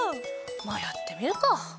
まぁやってみるか。